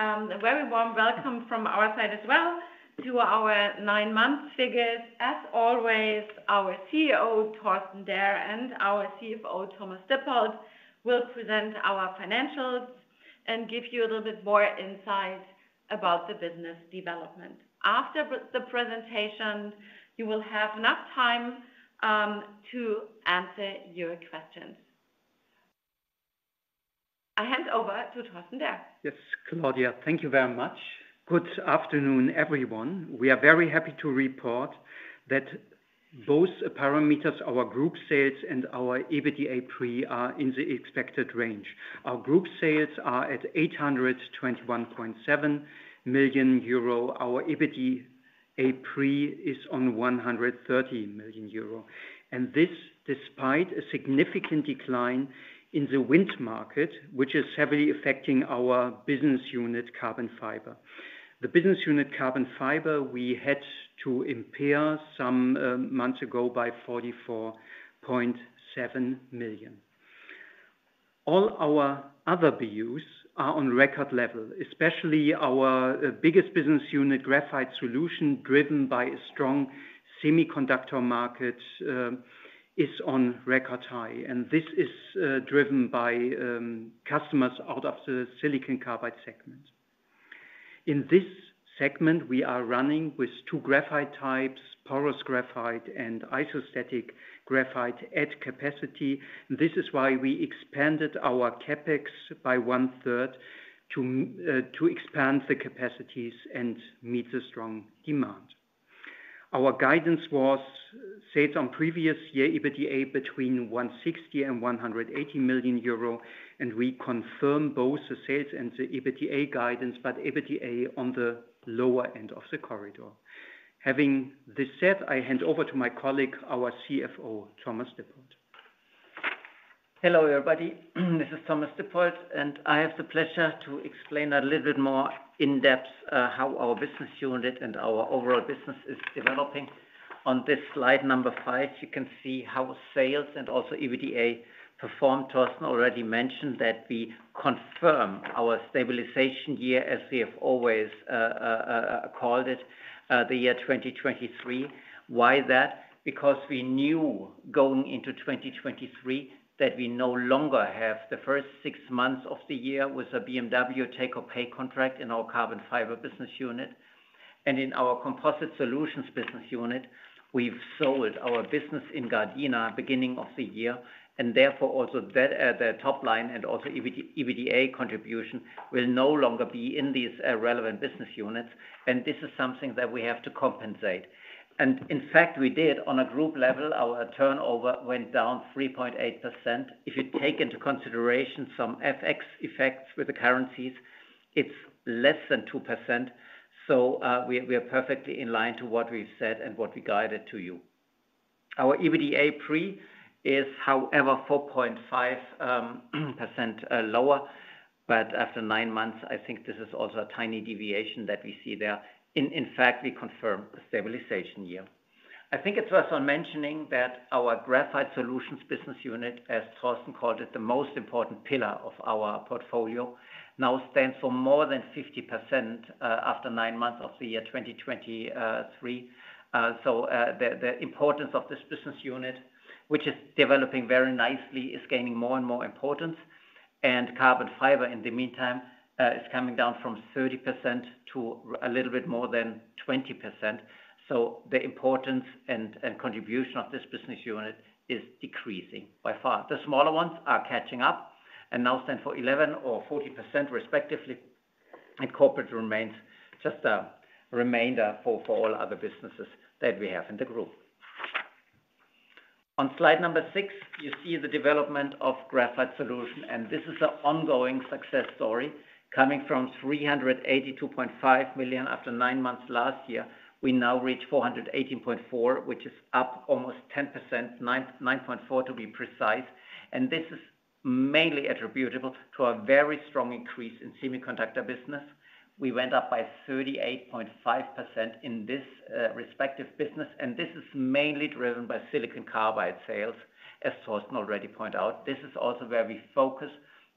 Yeah, a very warm welcome from our side as well to our nine-month figures. As always, our CEO, Torsten Derr, and our CFO, Thomas Dippold, will present our financials and give you a little bit more insight about the business development. After the presentation, we will have enough time to answer your questions. I hand over to Torsten Derr. Yes, Claudia, thank you very much. Good afternoon, everyone. We are very happy to report that both parameters, our group sales and our EBITDA pre, are in the expected range. Our group sales are at 821.7 million euro. Our EBITDA pre is at 130 million euro, and this despite a significant decline in the wind market, which is heavily affecting our business unit, Carbon Fiber. The business unit, Carbon Fiber, we had to impair some months ago by 44.7 million. All our other BUs are on record level, especially our biggest business unit, Graphite Solution, driven by a strong semiconductor market, is on record high, and this is driven by customers out of the silicon carbide segment. In this segment, we are running with two graphite types, porous graphite and isostatic graphite, at capacity. This is why we expanded our CapEx by one-third to, to expand the capacities and meet the strong demand. Our guidance was set on previous year EBITDA between 160 million and 180 million euro, and we confirm both the sales and the EBITDA guidance, but EBITDA on the lower end of the corridor. Having this said, I hand over to my colleague, our CFO, Thomas Dippold. Hello, everybody. This is Thomas Dippold, and I have the pleasure to explain a little bit more in-depth how our business unit and our overall business is developing. On this slide number 5, you can see how sales and also EBITDA performed. Torsten already mentioned that we confirm our stabilization year, as we have always called it, the year 2023. Why is that? Because we knew going into 2023 that we no longer have the first six months of the year with a BMW take-or-pay contract in our Carbon Fiber business unit. And in our Composite Solutions business unit, we've sold our business in Gardena beginning of the year, and therefore, also the top line and also EBITDA contribution will no longer be in these relevant business units, and this is something that we have to compensate. In fact, we did. On a group level, our turnover went down 3.8%. If you take into consideration some FX effects with the currencies, it's less than 2%. So, we are perfectly in line to what we've said and what we guided to you. Our EBITDA pre is, however, 4.5% lower, but after nine months, I think this is also a tiny deviation that we see there. In fact, we confirm a stabilization year. I think it's worth mentioning that our Graphite Solutions business unit, as Torsten called it, the most important pillar of our portfolio, now stands for more than 50% after nine months of the year 2023. So, the importance of this business unit, which is developing very nicely, is gaining more and more importance. Carbon fiber, in the meantime, is coming down from 30% to a little bit more than 20%. So the importance and contribution of this business unit is decreasing by far. The smaller ones are catching up and now stand for 11% or 40%, respectively, and corporate remains just a remainder for all other businesses that we have in the group. On slide number 6, you see the development of Graphite Solutions, and this is an ongoing success story coming from 382.5 million after nine months last year, we now reach 418.4 million, which is up almost 10%, 9.4%, to be precise. And this is mainly attributable to a very strong increase in semiconductor business. We went up by 38.5% in this respective business, and this is mainly driven by silicon carbide sales, as Torsten already pointed out. This is also where we focus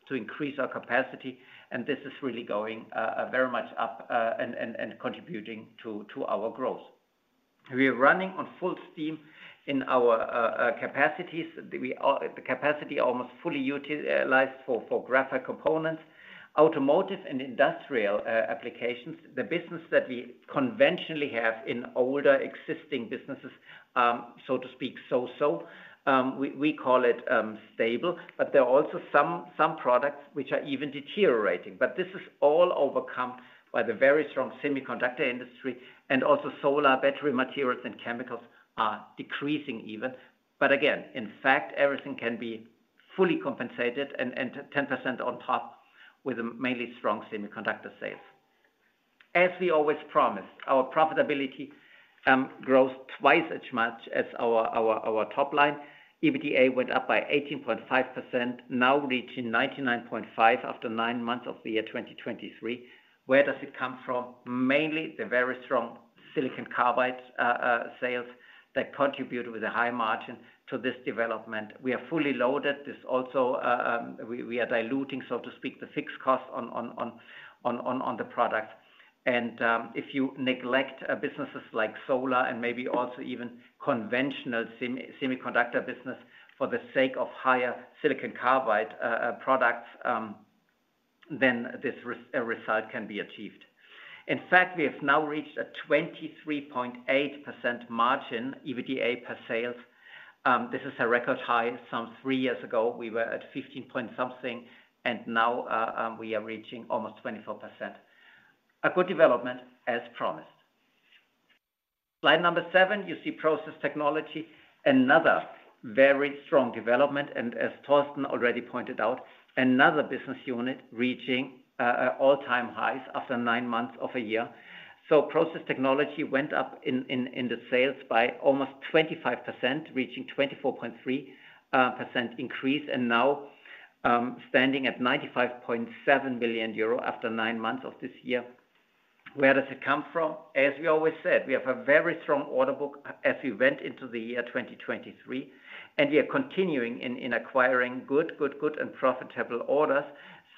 to increase our capacity, and this is really going very much up and contributing to our growth. We are running on full steam in our capacities. The capacity almost fully utilized for graphite components. Automotive and industrial applications, the business that we conventionally have in older existing businesses, so to speak, so-so. We call it stable, but there are also some products which are even deteriorating. But this is all overcome by the very strong semiconductor industry and also solar battery materials and chemicals are decreasing even. But again, in fact, everything can be fully compensated and ten percent on top with mainly strong semiconductor sales. As we always promised, our profitability grows twice as much as our top line. EBITDA went up by 18.5%, now reaching 99.5 after nine months of the year, 2023. Where does it come from? Mainly the very strong silicon carbide sales that contribute with a high margin to this development. We are fully loaded. This also, we are diluting, so to speak, the fixed cost on the product. And if you neglect businesses like solar and maybe also even conventional semiconductor business for the sake of higher silicon carbide products, then this result can be achieved. In fact, we have now reached a 23.8% margin, EBITDA pre sales. This is a record high. Some 3 years ago, we were at 15 point something, and now, we are reaching almost 24%. A good development as promised. Slide number 7, you see Process Technology, another very strong development, and as Torsten already pointed out, another business unit reaching all-time highs after 9 months of a year. So Process Technology went up in the sales by almost 25%, reaching 24.3% increase, and now, standing at 95.7 billion euro after 9 months of this year. Where does it come from? As we always said, we have a very strong order book as we went into the year 2023, and we are continuing in acquiring good, good, good and profitable orders.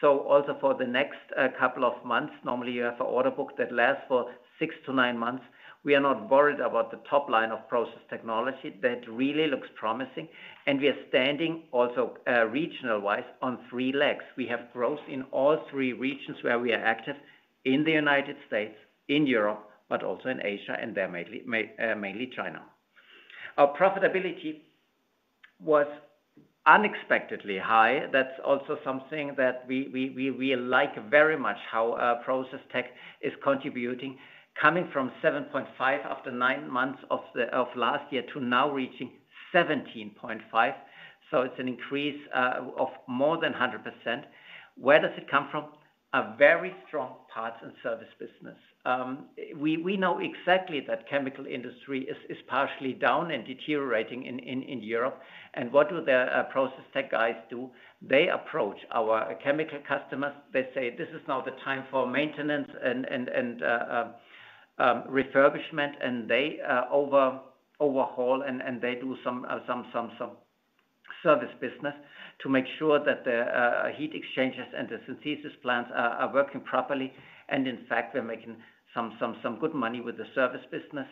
So also for the next couple of months, normally, you have an order book that lasts for 6-9 months. We are not worried about the top line of Process Technology. That really looks promising, and we are standing also regional wise on three legs. We have growth in all three regions where we are active: in the United States, in Europe, but also in Asia, and there mainly mainly China. Our profitability was unexpectedly high. That's also something that we like very much how Process Tech is contributing, coming from 7.5 after 9 months of last year to now reaching 17.5. So it's an increase of more than 100%. Where does it come from? A very strong parts and service business. We know exactly that chemical industry is partially down and deteriorating in Europe. And what do the Process Tech guys do? They approach our chemical customers. They say, "This is now the time for maintenance and refurbishment," and they overhaul, and they do some service business to make sure that the heat exchangers and the synthesis plants are working properly. And in fact, we're making some good money with the service business.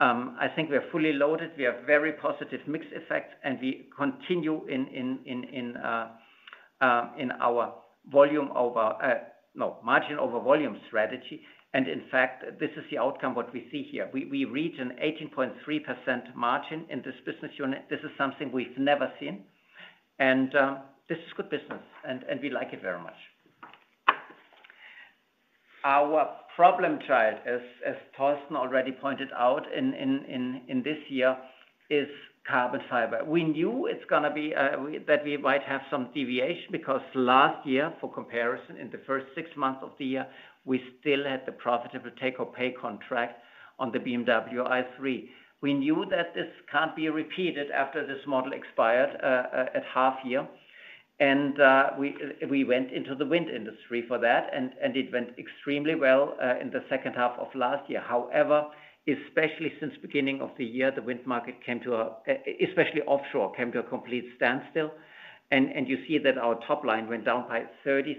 I think we are fully loaded, we have very positive mix effects, and we continue in our margin over volume strategy. In fact, this is the outcome, what we see here. We reach an 18.3% margin in this business unit. This is something we've never seen, and this is good business, and we like it very much. Our problem child, as Torsten already pointed out in this year, is carbon fiber. We knew it's gonna be that we might have some deviation because last year, for comparison, in the first six months of the year, we still had the profitable take-or-pay contract on the BMW i3. We knew that this can't be repeated after this model expired at half year. And we went into the wind industry for that, and it went extremely well in the second half of last year. However, especially since beginning of the year, the wind market came to a especially offshore, came to a complete standstill, and you see that our top line went down by 33%,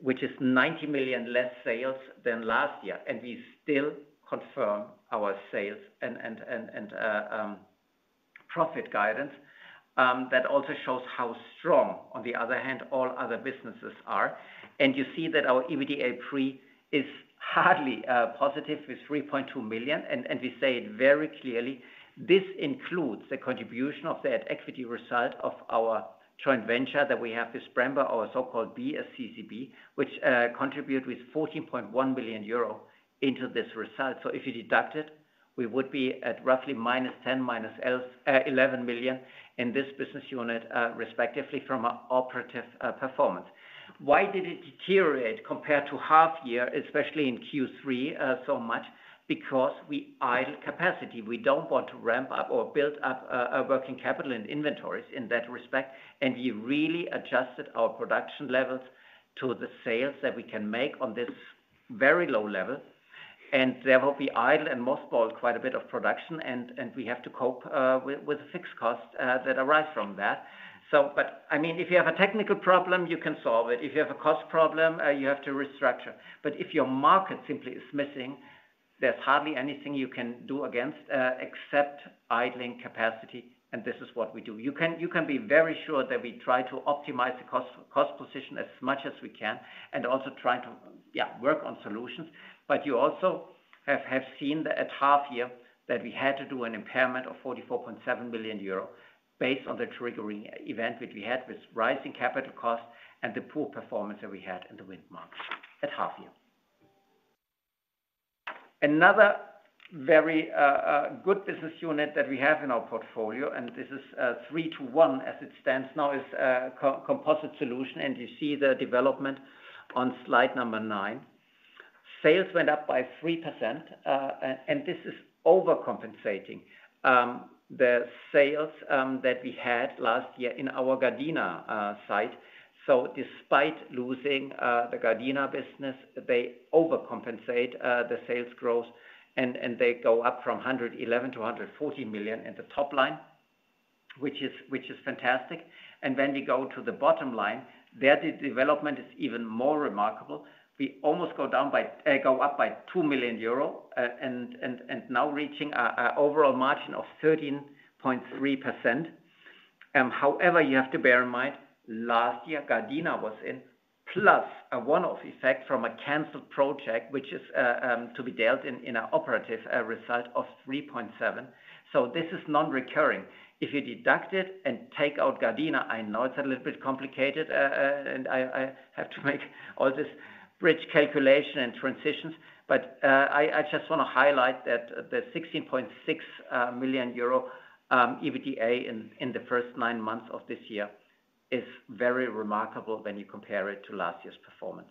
which is 90 million less sales than last year, and we still confirm our sales and profit guidance. That also shows how strong, on the other hand, all other businesses are. And you see that our EBITDA pre is hardly positive with 3.2 million, and we say it very clearly, this includes the contribution of that equity result of our joint venture that we have with Brembo, our so-called BSCCB, which contribute with 14.1 billion euro into this result. So if you deduct it, we would be at roughly -10 million, -11 million in this business unit, respectively from our operative performance. Why did it deteriorate compared to half year, especially in Q3, so much? Because we idle capacity. We don't want to ramp up or build up a working capital in inventories in that respect, and we really adjusted our production levels to the sales that we can make on this very low level, and there will be idle and mothballed quite a bit of production, and we have to cope with the fixed costs that arise from that. So but, I mean, if you have a technical problem, you can solve it. If you have a cost problem, you have to restructure. But if your market simply is missing, there's hardly anything you can do against, except idling capacity, and this is what we do. You can, you can be very sure that we try to optimize the cost, cost position as much as we can and also try to, yeah, work on solutions. But you also have, have seen that at half year that we had to do an impairment of 44.7 billion euro based on the triggering event, which we had with rising capital costs and the poor performance that we had in the wind market at half year. Another very good business unit that we have in our portfolio, and this is three to one as it stands now, is Composite Solutions, and you see the development on slide number 9. Sales went up by 3%, and this is overcompensating the sales that we had last year in our Gardena site. So despite losing the Gardena business, they overcompensate the sales growth and they go up from 111 million-140 million in the top line, which is fantastic. When we go to the bottom line, the development is even more remarkable. We almost go down by go up by 2 million euro, and now reaching an overall margin of 13.3%. However, you have to bear in mind, last year, Gardena was in plus a one-off effect from a canceled project, which is to be dealt in our operative result of 3.7 million. So this is non-recurring. If you deduct it and take out Gardena, I know it's a little bit complicated, and I have to make all this bridge calculation and transitions, but I just want to highlight that the 16.6 million euro EBITDA in the first nine months of this year is very remarkable when you compare it to last year's performance.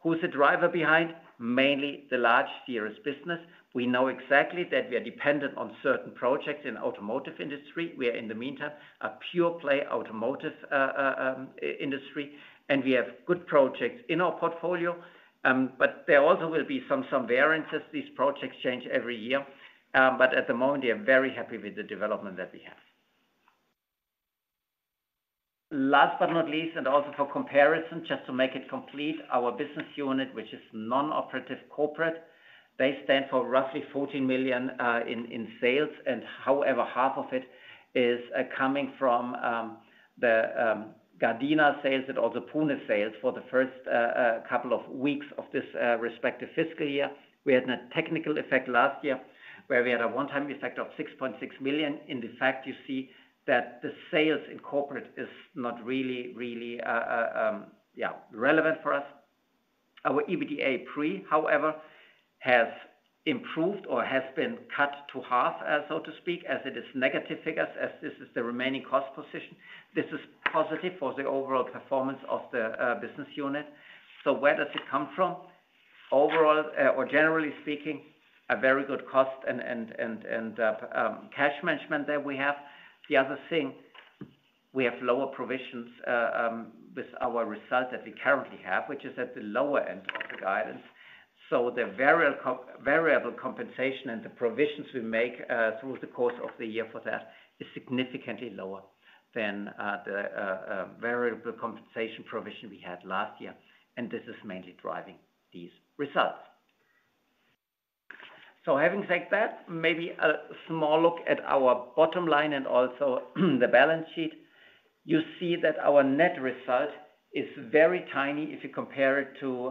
Who's the driver behind? Mainly the large CRS business. We know exactly that we are dependent on certain projects in automotive industry. We are, in the meantime, a pure-play automotive industry, and we have good projects in our portfolio. But there also will be some variances. These projects change every year. But at the moment, we are very happy with the development that we have. Last but not least, and also for comparison, just to make it complete, our business unit, which is non-operative corporate, they stand for roughly 14 million in sales, and however, half of it is coming from the Gardena sales and also Pune sales for the first couple of weeks of this respective fiscal year. We had a technical effect last year, where we had a one-time effect of 6.6 million. In fact, you see that the sales in corporate is not really, really relevant for us. Our EBITDA pre, however, has improved or has been cut to half, so to speak, as it is negative figures, as this is the remaining cost position. This is positive for the overall performance of the business unit. So where does it come from? Overall, or generally speaking, a very good cost and cash management that we have. The other thing, we have lower provisions with our result that we currently have, which is at the lower end of the guidance. So the variable compensation and the provisions we make through the course of the year for that is significantly lower than the variable compensation provision we had last year, and this is mainly driving these results. So having said that, maybe a small look at our bottom line and also the balance sheet. You see that our net result is very tiny if you compare it to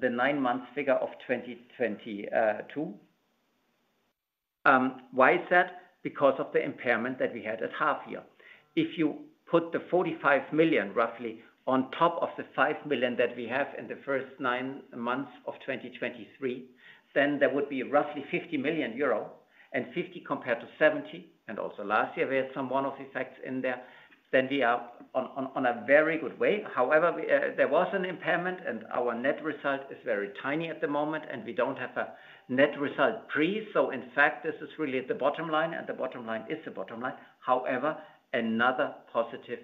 the nine-month figure of 2022. Why is that? Because of the impairment that we had at half year. If you put the 45 million, roughly, on top of the 5 million that we have in the first nine months of 2023, then there would be roughly 50 million euro and 50 compared to 70. Also last year, we had some one-off effects in there. Then we are on a very good way. However, there was an impairment, and our net result is very tiny at the moment, and we don't have a net result pre. So in fact, this is really at the bottom line, and the bottom line is the bottom line. However, another positive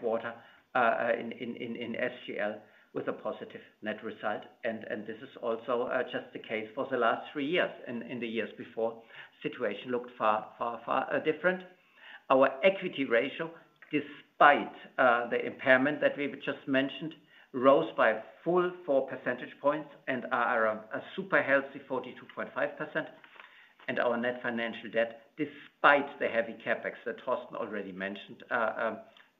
quarter in SGL with a positive net result, and this is also just the case for the last three years. In the years before, situation looked far, far, far different. Our equity ratio, despite the impairment that we've just mentioned, rose by a full 4 percentage points and are a super healthy 42.5%. And our net financial debt, despite the heavy CapEx that Torsten already mentioned,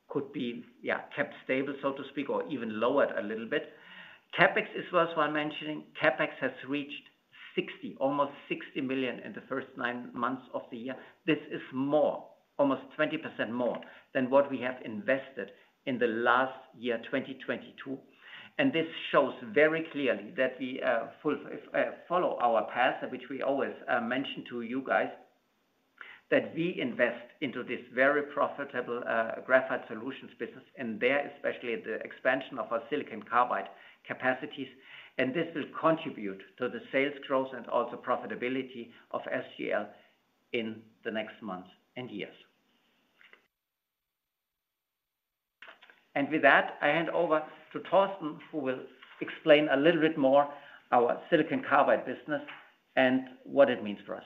could be, yeah, kept stable, so to speak, or even lowered a little bit. CapEx is worthwhile mentioning. CapEx has reached almost 60 million in the first nine months of the year. This is more, almost 20% more than what we have invested in the last year, 2022. And this shows very clearly that we follow our path, which we always mention to you guys, that we invest into this very profitable Graphite Solutions business, and there, especially the expansion of our silicon carbide capacities. This will contribute to the sales growth and also profitability of SGL in the next months and years. With that, I hand over to Torsten, who will explain a little bit more our silicon carbide business and what it means for us.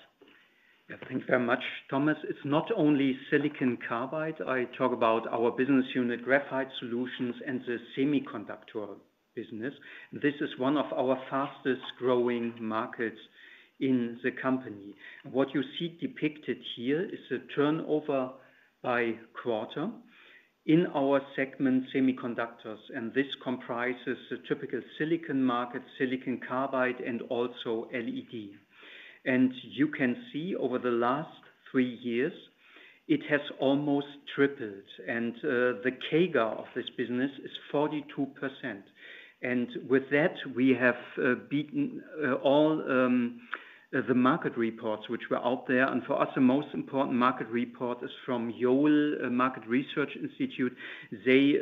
Yeah. Thank you very much, Thomas. It's not only silicon carbide. I talk about our business unit, Graphite Solutions, and the semiconductor business. This is one of our fastest-growing markets in the company. What you see depicted here is the turnover by quarter in our segment, Semiconductors, and this comprises the typical silicon market, silicon carbide, and also LED. And you can see over the last three years, it has almost tripled, and the CAGR of this business is 42%. And with that, we have beaten all the market reports which were out there. And for us, the most important market report is from Yole, a market research institute. They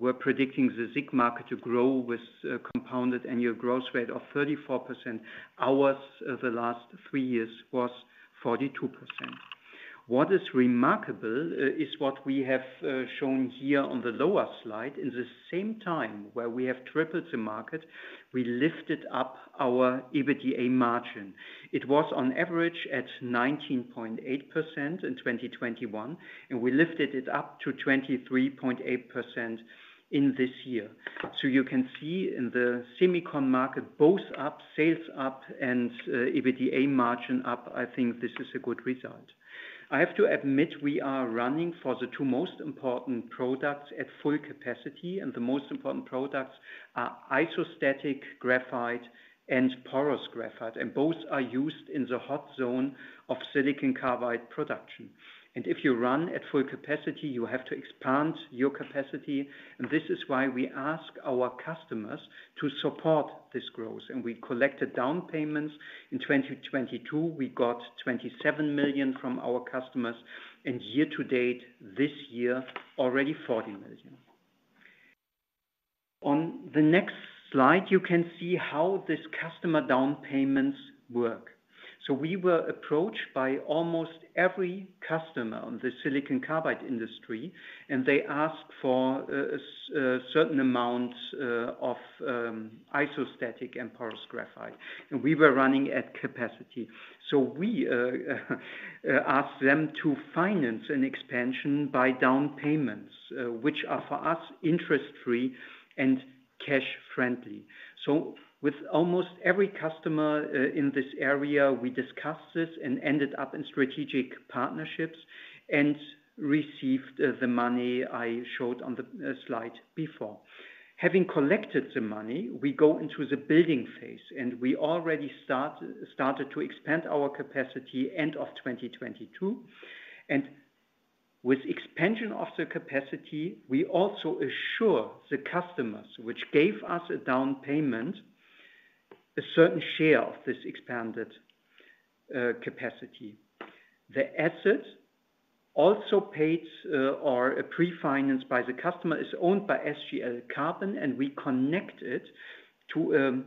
were predicting the SiC market to grow with a compounded annual growth rate of 34%. Ours, the last three years, was 42%. What is remarkable is what we have shown here on the lower slide. In the same time where we have tripled the market, we lifted up our EBITDA margin. It was on average at 19.8% in 2021, and we lifted it up to 23.8% in this year. So you can see in the semicon market, both up, sales up and EBITDA margin up. I think this is a good result. I have to admit, we are running for the two most important products at full capacity, and the most important products are isostatic graphite and porous graphite, and both are used in the hot zone of silicon carbide production. And if you run at full capacity, you have to expand your capacity, and this is why we ask our customers to support this growth. We collected down payments in 2022, we got 27 million from our customers, and year to date, this year, already 40 million. On the next slide, you can see how this customer down payments work. We were approached by almost every customer on the silicon carbide industry, and they asked for a certain amounts of isostatic and porous graphite. And we were running at capacity. We asked them to finance an expansion by down payments, which are, for us, interest-free and cash friendly. With almost every customer in this area, we discussed this and ended up in strategic partnerships and received the money I showed on the slide before. Having collected the money, we go into the building phase, and we already started to expand our capacity end of 2022. With expansion of the capacity, we also assure the customers, which gave us a down payment, a certain share of this expanded capacity. The asset also paid or pre-financed by the customer is owned by SGL Carbon, and we connect it to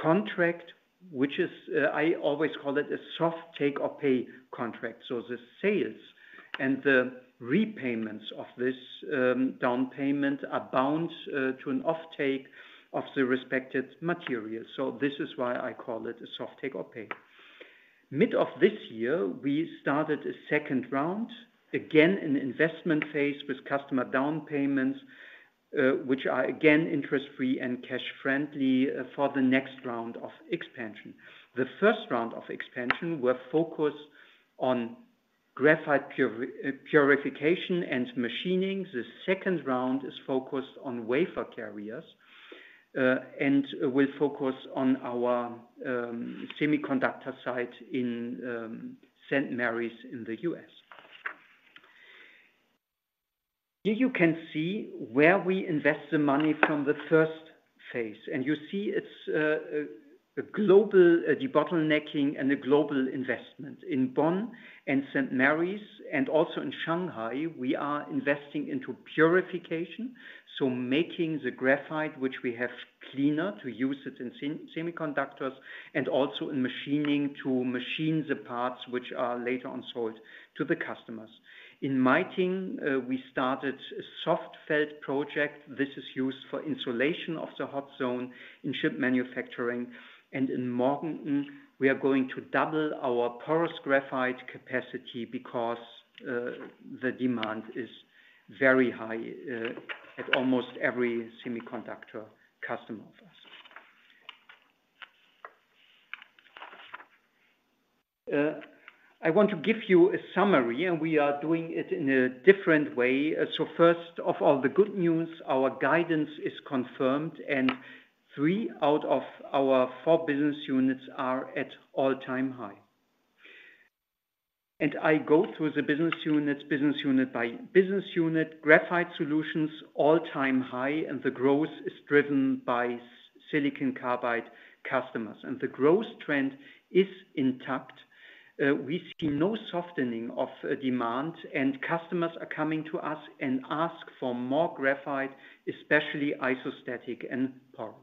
contract, which is, I always call it a soft take-or-pay contract. So the sales and the repayments of this down payment are bound to an offtake of the respective material. So this is why I call it a soft take-or-pay. Mid of this year, we started a second round, again, an investment phase with customer down payments, which are again, interest-free and cash friendly, for the next round of expansion. The first round of expansion were focused on graphite purification and machining. The second round is focused on wafer carriers and will focus on our semiconductor site in St. Marys in the U.S. Here you can see where we invest the money from the first phase, and you see it's a global debottlenecking and a global investment. In Bonn and St. Marys and also in Shanghai, we are investing into purification, so making the graphite, which we have cleaner, to use it in semiconductors, and also in machining to machine the parts which are later on sold to the customers. In Meitingen, we started a soft felt project. This is used for insulation of the hot zone in chip manufacturing. In Morganton, we are going to double our porous graphite capacity because the demand is very high at almost every semiconductor customer of ours. I want to give you a summary, and we are doing it in a different way. So first of all, the good news, our guidance is confirmed, and three out of our four business units are at all-time high. And I go through the business units, business unit by business unit. Graphite Solutions, all-time high, and the growth is driven by silicon carbide customers, and the growth trend is intact. We see no softening of demand, and customers are coming to us and ask for more graphite, especially isostatic and porous.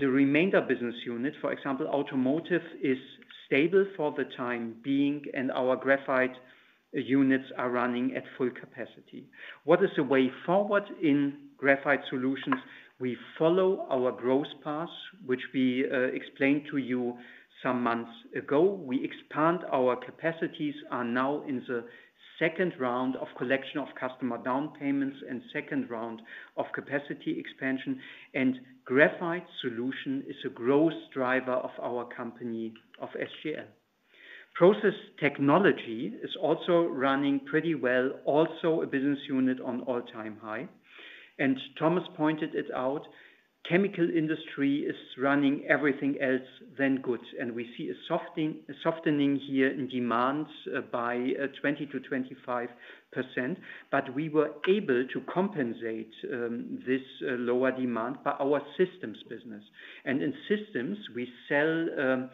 The remainder business unit, for example, automotive, is stable for the time being, and our graphite units are running at full capacity. What is the way forward in Graphite Solutions? We follow our growth path, which we explained to you some months ago. We expand our capacities; we are now in the second round of collection of customer down payments and second round of capacity expansion, and Graphite Solutions is a growth driver of our company, SGL. Process Technology is also running pretty well, also a business unit on all-time high. Thomas pointed it out, chemical industry is running everything else than goods, and we see a softening, a softening here in demand by 20%-25%. But we were able to compensate this lower demand by our systems business. And in systems, we sell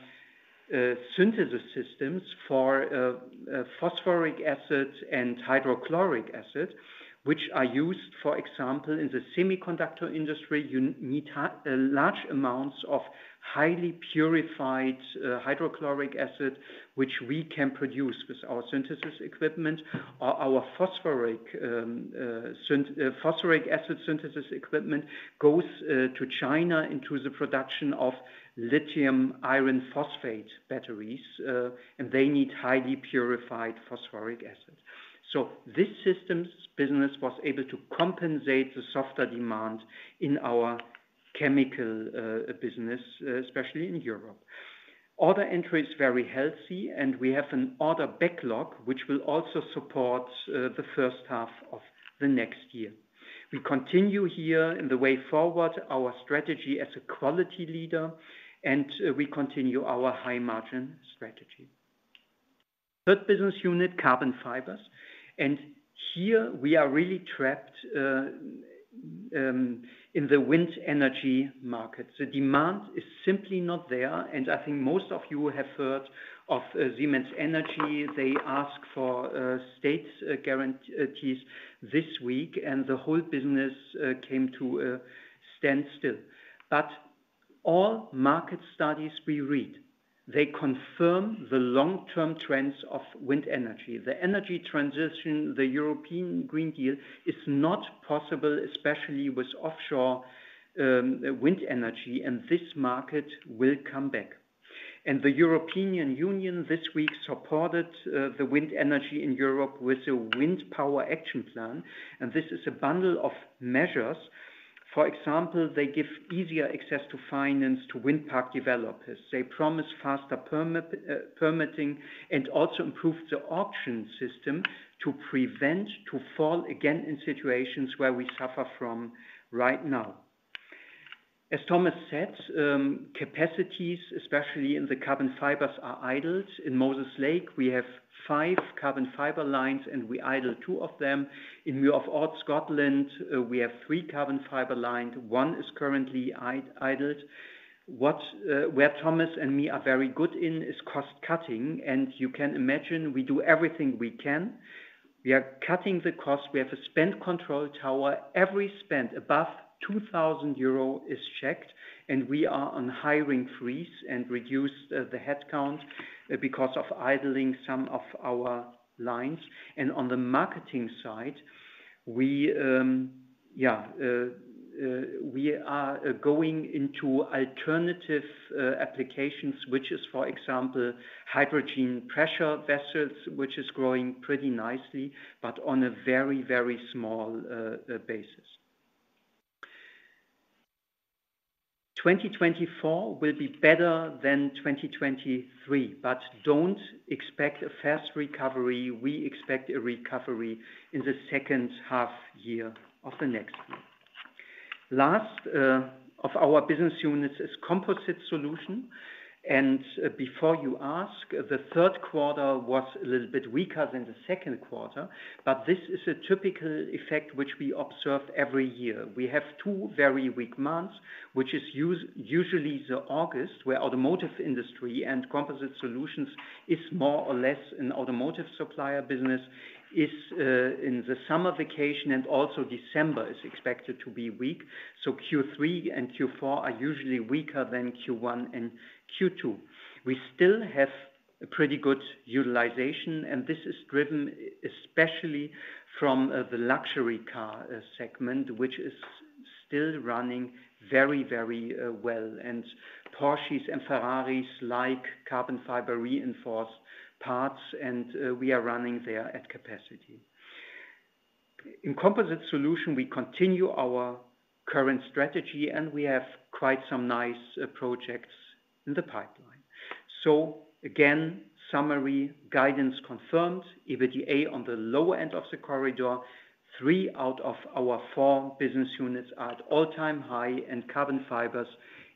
synthesis systems for phosphoric acid and hydrochloric acid, which are used, for example, in the semiconductor industry. You need large amounts of highly purified hydrochloric acid, which we can produce with our synthesis equipment. Our phosphoric acid synthesis equipment goes to China into the production of lithium iron phosphate batteries, and they need highly purified phosphoric acid. So this system's business was able to compensate the softer demand in our chemical business, especially in Europe. Order entry is very healthy, and we have an order backlog, which will also support the first half of the next year. We continue here in the way forward, our strategy as a quality leader, and we continue our high margin strategy. Third business unit, carbon fibers, and here we are really trapped in the wind energy market. The demand is simply not there, and I think most of you have heard of Siemens Energy. They asked for state guarantees this week, and the whole business came to a standstill. But all market studies we read, they confirm the long-term trends of wind energy. The energy transition, the European Green Deal, is not possible, especially with offshore wind energy, and this market will come back. And the European Union this week supported the wind energy in Europe with a wind power action plan, and this is a bundle of measures. For example, they give easier access to finance to wind park developers. They promise faster permitting, and also improve the auction system to prevent to fall again in situations where we suffer from right now. As Thomas said, capacities, especially in the carbon fibers, are idled. In Moses Lake, we have 5 carbon fiber lines, and we idle 2 of them. In Muir of Ord, Scotland, we have 3 carbon fiber lines, one is currently idled. Where Thomas and me are very good in is cost cutting, and you can imagine we do everything we can. We are cutting the cost. We have a spend control tower. Every spend above 2,000 euro is checked, and we are on hiring freeze and reduce the headcount because of idling some of our lines. And on the marketing side, we are going into alternative applications, which is, for example, hydrogen pressure vessels, which is growing pretty nicely, but on a very, very small basis. 2024 will be better than 2023, but don't expect a fast recovery. We expect a recovery in the second half year of the next year. Last of our business units is Composite Solutions, and before you ask, the third quarter was a little bit weaker than the second quarter, but this is a typical effect which we observe every year. We have two very weak months, which is usually August, where automotive industry and Composite Solutions is more or less an automotive supplier business, is in the summer vacation, and also December is expected to be weak. So Q3 and Q4 are usually weaker than Q1 and Q2. We still have a pretty good utilization, and this is driven especially from the luxury car segment, which is still running very, very well. And Porsches and Ferraris like carbon fiber reinforced parts, and we are running there at capacity. In Composite Solutions, we continue our current strategy, and we have quite some nice projects in the pipeline. Again, summary: guidance confirmed, EBITDA on the lower end of the corridor. Three out of our four business units are at all-time high, and carbon fibers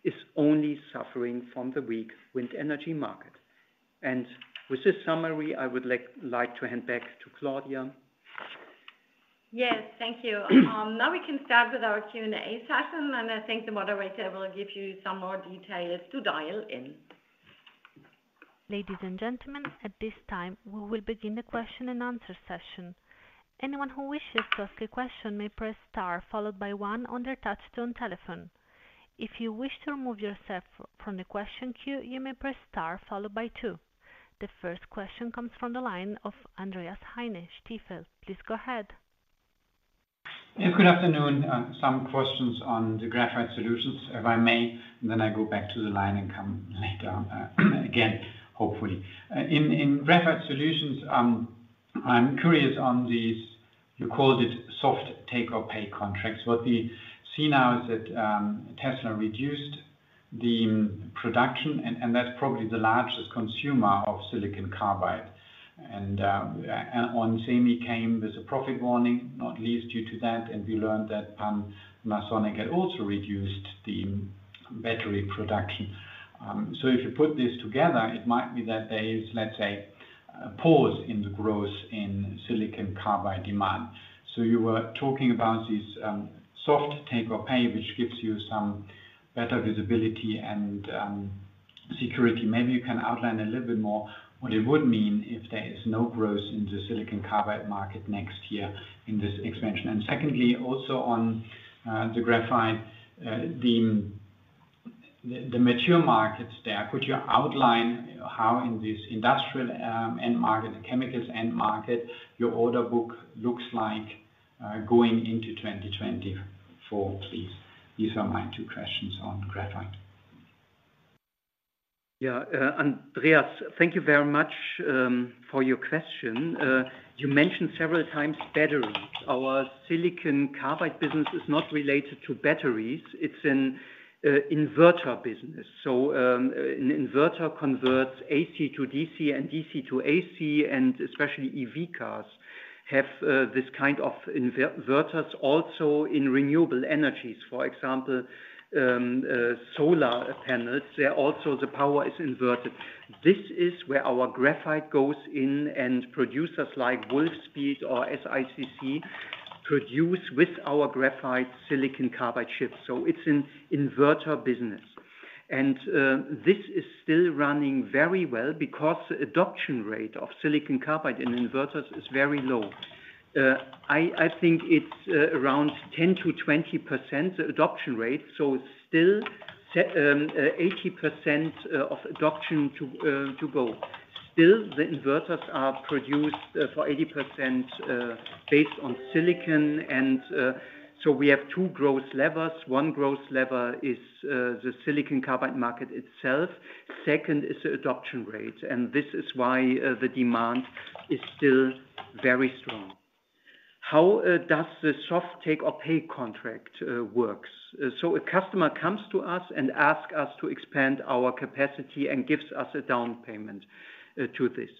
is only suffering from the weak wind energy market. With this summary, I would like to hand back to Claudia. Yes, thank you. Now we can start with our Q&A session, and I think the moderator will give you some more details to dial in. Ladies and gentlemen, at this time, we will begin the question and answer session. Anyone who wishes to ask a question may press star, followed by one on their touchtone telephone. If you wish to remove yourself from the question queue, you may press star, followed by two. The first question comes from the line of Andreas Heine, Stifel. Please go ahead. Yeah, good afternoon. Some questions on the Graphite Solutions, if I may, and then I go back to the line and come later on, again, hopefully. In Graphite Solutions, I'm curious on these. You called it soft take-or-pay contracts. What we see now is that Tesla reduced the production, and that's probably the largest consumer of silicon carbide. And onsemi came with a profit warning, not least due to that, and we learned that Panasonic had also reduced the battery production. So if you put this together, it might be that there is, let's say, a pause in the growth in silicon carbide demand. So you were talking about this soft take-or-pay, which gives you some better visibility and security. Maybe you can outline a little bit more what it would mean if there is no growth in the silicon carbide market next year in this expansion. And secondly, also on, the graphite, the mature markets there, could you outline how in this industrial, end market, the chemicals end market, your order book looks like, going into 2024, please? These are my two questions on graphite. Yeah, Andreas, thank you very much for your question. You mentioned several times batteries. Our silicon carbide business is not related to batteries; it's an inverter business. So, an inverter converts AC to DC and DC to AC, and especially EV cars have this kind of inverters. Also in renewable energies, for example, solar panels, there also the power is inverted. This is where our graphite goes in, and producers like Wolfspeed or SICC produce with our graphite silicon carbide chips. So it's an inverter business. And, this is still running very well because the adoption rate of silicon carbide in inverters is very low. I think it's around 10%-20% adoption rate, so still 80% of adoption to go. Still, the inverters are produced for 80% based on silicon. And so we have two growth levers. One growth lever is the silicon carbide market itself. Second is the adoption rate, and this is why the demand is still very strong. How does the soft take-or-pay contract works? So a customer comes to us and asks us to expand our capacity and gives us a down payment to this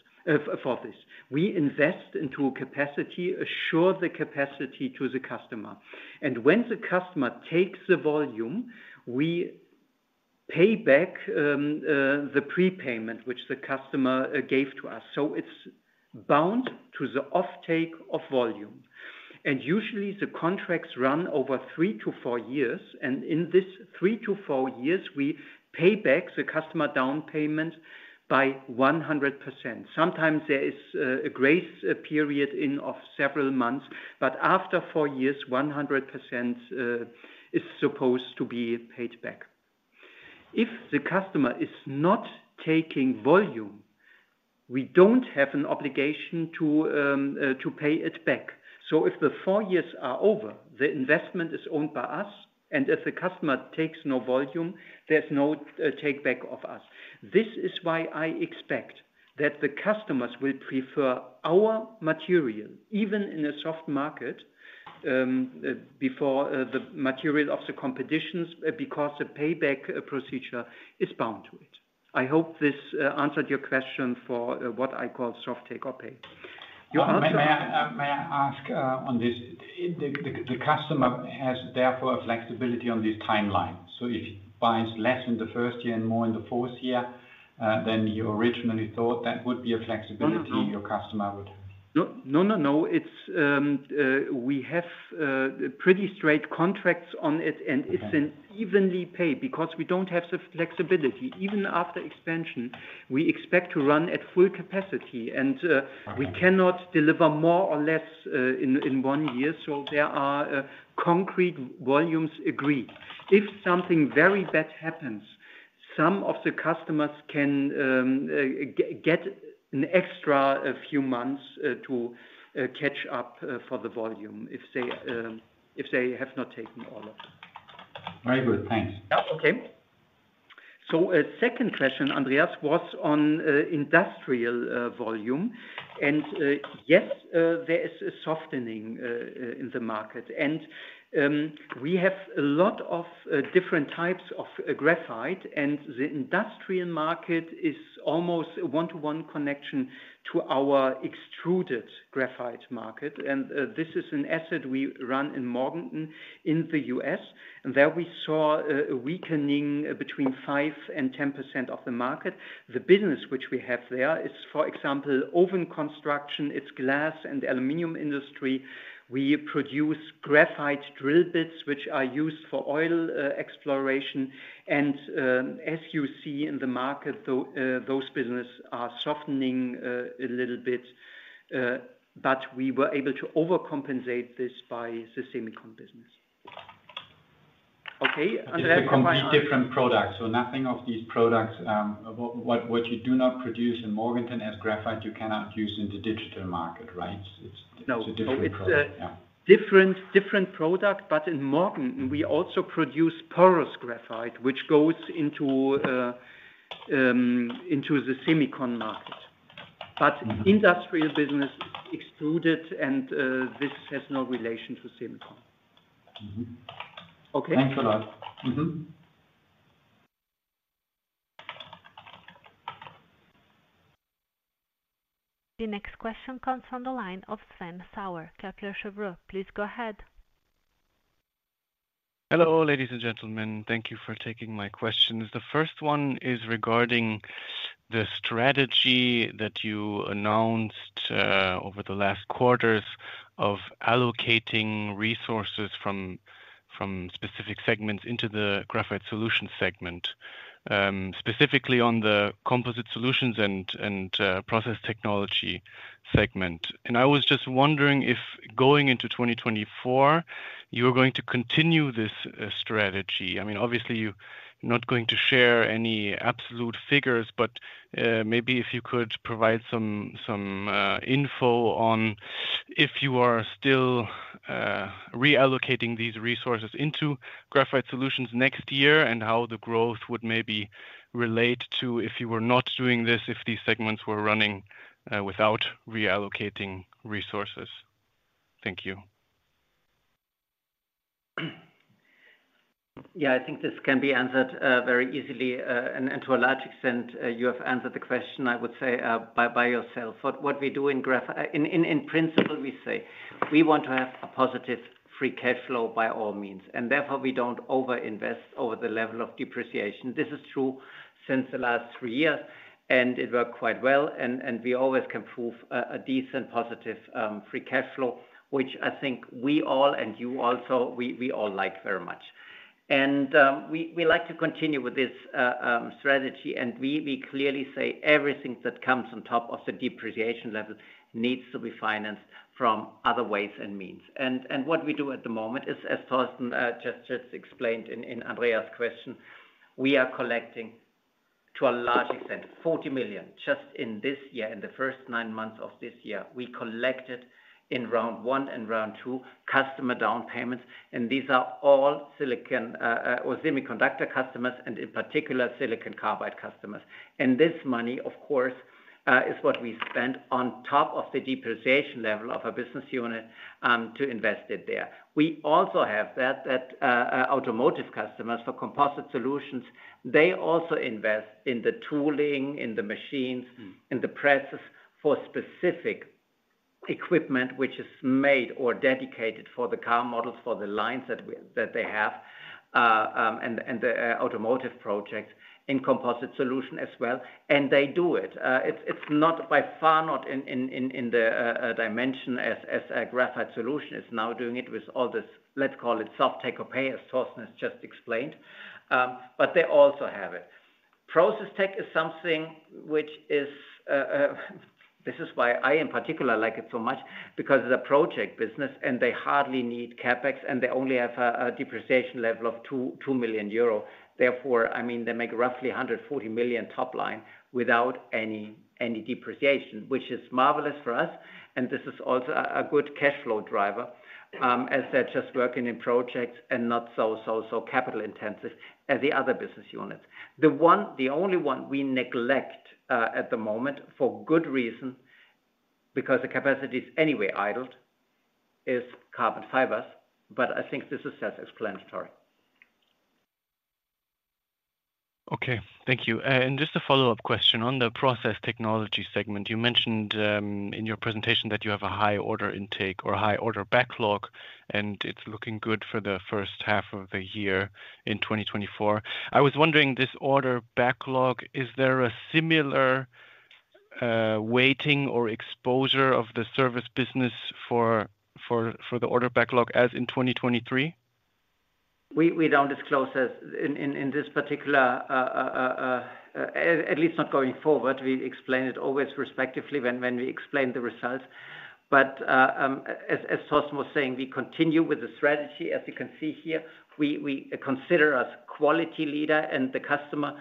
for this. We invest into capacity, assure the capacity to the customer, and when the customer takes the volume, we pay back the prepayment, which the customer gave to us. So it's bound to the offtake of volume. And usually, the contracts run over three to four years, and in this three to four years, we pay back the customer down payment by 100%. Sometimes there is a grace period of several months, but after four years, 100% is supposed to be paid back. If the customer is not taking volume, we don't have an obligation to pay it back. So if the four years are over, the investment is owned by us, and if the customer takes no volume, there's no take back of us. This is why I expect that the customers will prefer our material, even in a soft market, before the material of the competitions, because the payback procedure is bound to it. I hope this answered your question for what I call soft take-or-pay. May I ask on this? The customer has therefore a flexibility on this timeline. So if he buys less in the first year and more in the fourth year than you originally thought, that would be a flexibility- No, no, no. -your customer would? No, no, no, no. It's, we have pretty straight contracts on it- Okay. and it's an evenly paid because we don't have the flexibility. Even after expansion, we expect to run at full capacity, and Okay. We cannot deliver more or less in one year. So there are concrete volumes agreed. If something very bad happens, some of the customers can get an extra few months to catch up for the volume if they have not taken all of it. Very good. Thanks. Yeah. Okay. So, second question, Andreas, was on industrial volume, and yes, there is a softening in the market. And we have a lot of different types of graphite, and the industrial market is almost a one-to-one connection to our extruded graphite market. And this is an asset we run in Morganton, in the U.S., and there we saw a weakening between 5% and 10% of the market. The business which we have there is, for example, oven construction; it's glass and aluminum industry. We produce graphite drill bits, which are used for oil exploration, and as you see in the market, those business are softening a little bit, but we were able to overcompensate this by the semicon business. Okay, Andreas. But it's completely different products, so nothing of these products you do not produce in Morganton as graphite, you cannot use in the digital market, right? No. It's a different product. Yeah. Different, different product, but in Morganton, we also produce porous graphite, which goes into the semicon market. Mm-hmm. But industrial business is extruded, and this has no relation to semicon. Mm-hmm. Okay? Thanks a lot. Mm-hmm. The next question comes from the line of Sven Sauer, Crédit Suisse. Please go ahead. Hello, ladies and gentlemen. Thank you for taking my questions. The first one is regarding the strategy that you announced over the last quarters of allocating resources from specific segments into the Graphite Solutions segment, specifically on the Composite Solutions and Process Technology segment. I was just wondering if going into 2024, you are going to continue this strategy. I mean, obviously, you're not going to share any absolute figures, but maybe if you could provide some info on if you are still reallocating these resources into Graphite Solutions next year, and how the growth would maybe relate to if you were not doing this, if these segments were running without reallocating resources. Thank you. Yeah, I think this can be answered very easily. And to a large extent, you have answered the question, I would say, by yourself. What we do in Graphite. In principle, we say we want to have a positive free cash flow by all means, and therefore, we don't over-invest over the level of depreciation. This is true since the last three years, and it worked quite well, and we always can prove a decent positive free cash flow, which I think we all, and you also, we all like very much. And we like to continue with this strategy, and we clearly say everything that comes on top of the depreciation level needs to be financed from other ways and means. What we do at the moment is, as Torsten just explained in Andreas's question, we are collecting, to a large extent, 40 million just in this year. In the first nine months of this year, we collected in round one and round two, customer down payments, and these are all silicon or semiconductor customers, and in particular, silicon carbide customers. And this money, of course, is what we spent on top of the depreciation level of a business unit to invest it there. We also have that automotive customers for composite solutions. They also invest in the tooling, in the machines, in the presses for specific equipment, which is made or dedicated for the car models, for the lines that they have, and the automotive projects in composite solutions as well. And they do it. It's not by far not in the dimension as Graphite Solutions is now doing it with all this, let's call it soft-take-or-pay, as Torsten has just explained, but they also have it. Process Tech is something which is this is why I, in particular, like it so much because it's a project business, and they hardly need CapEx, and they only have a depreciation level of 2 million euro. Therefore, I mean, they make roughly 140 million top line without any depreciation, which is marvelous for us, and this is also a good cash flow driver, as they're just working in projects and not so capital intensive as the other business units. The only one we neglect, at the moment, for good reason, because the capacity is anyway idled, is carbon fibers, but I think this is self-explanatory. Okay, thank you. And just a follow-up question on the process technology segment. You mentioned, in your presentation that you have a high order intake or high order backlog, and it's looking good for the first half of the year in 2024. I was wondering, this order backlog, is there a similar, waiting or exposure of the service business for the order backlog as in 2023? We don't disclose this particular, at least not going forward. We explain it always respectively when we explain the results. But as Torsten was saying, we continue with the strategy. As you can see here, we consider us quality leader and the customer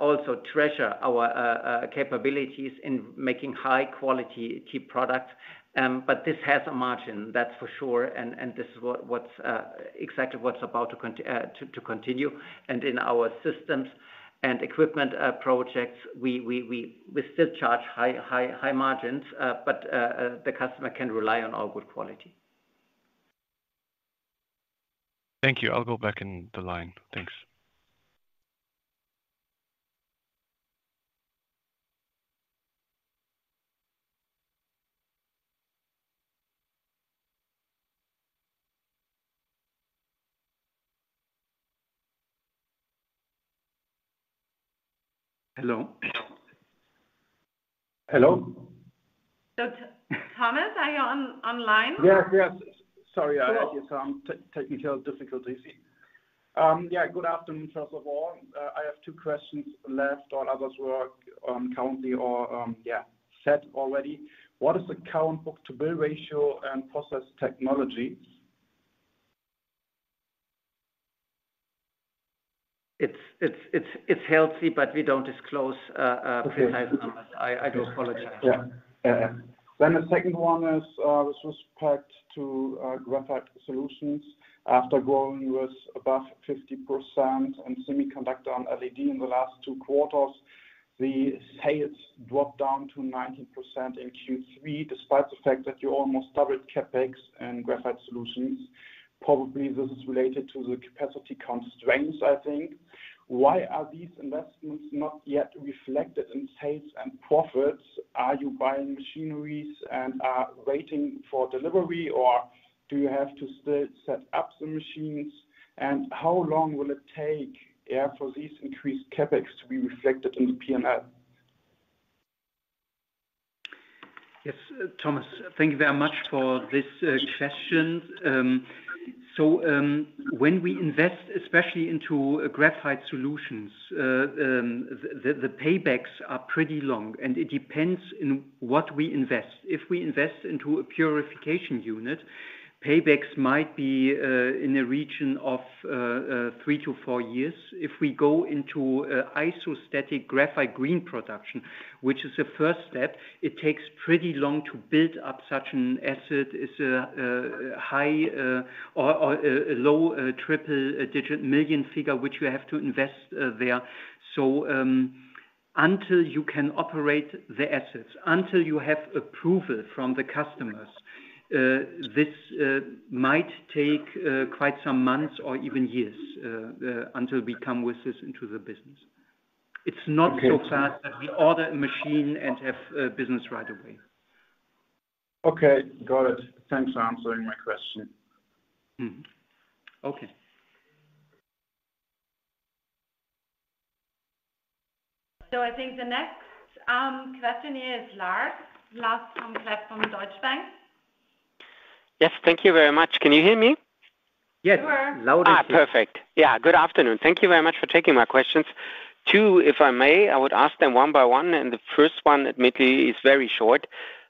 also treasure our capabilities in making high-quality key products. But this has a margin, that's for sure, and this is what's exactly about to continue. And in our systems and equipment projects, we still charge high margins, but the customer can rely on our good quality. Thank you. I'll go back in the line. Thanks. Thanks. Hello? Hello. Thomas, are you on, online? Yeah. Yes. Sorry, I had some technical difficulties. Yeah, good afternoon, first of all. I have two questions left, all others were, currently or, said already. What is the current book-to-bill ratio and process technology? It's healthy, but we don't disclose. Okay. Precisely. I do apologize. Yeah. Then the second one is with respect to Graphite Solutions. After growing with above 50% in semiconductor and LED in the last two quarters, the sales dropped down to 19% in Q3, despite the fact that you almost doubled CapEx and Graphite Solutions. Probably, this is related to the capacity constraints, I think. Why are these investments not yet reflected in sales and profits? Are you buying machineries and are waiting for delivery, or do you have to still set up the machines? And how long will it take, yeah, for these increased CapEx to be reflected in the P&L? Yes, Thomas, thank you very much for this question. So, when we invest, especially into Graphite Solutions, the paybacks are pretty long, and it depends on what we invest. If we invest into a purification unit- paybacks might be in the region of 3-4 years. If we go into isostatic graphite green production, which is the first step, it takes pretty long to build up such an asset. It's a high or a low triple-digit million figure, which you have to invest there. So, until you can operate the assets, until you have approval from the customers, this might take quite some months or even years until we come with this into the business. It's not so fast that we order a machine and have business right away. Okay, got it. Thanks for answering my question. Mm-hmm. Okay. I think the next question is Lars. Lars from Deutsche Bank. Yes, thank you very much. Can you hear me? Yes. Sure. Loud and clear. Ah, perfect. Yeah, good afternoon. Thank you very much for taking my questions. 2, if I may, I would ask them one by one, and the first one, admittedly, is very short,